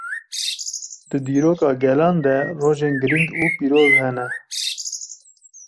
Di dîroka gelan de rojên giring û pîroz hene.